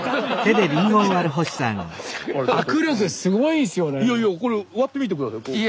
いやいやこれ割ってみて下さい。